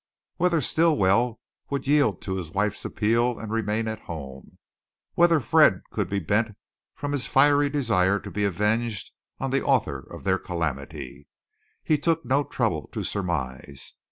Whether Stilwell would yield to his wife's appeal and remain at home, whether Fred could be bent from his fiery desire to be avenged on the author of their calamity, he took no trouble to surmise.